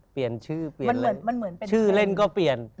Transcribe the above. เปลี่ยนชื่อเปลี่ยนเล่นชื่อเล่นก็เปลี่ยน